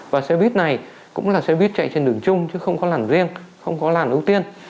và xe buýt này cũng là xe buýt chạy trên đường chung chứ không có làn riêng không có làn ưu tiên